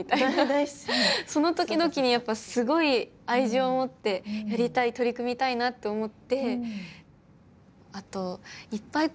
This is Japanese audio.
その時々にやっぱすごい愛情を持ってやりたい取り組みたいなって思って。